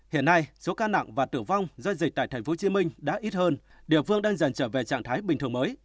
hiện nay số ca nặng và tử vong do dịch tại tp hcm đã ít hơn địa phương đang dần trở về trạng thái bình thường mới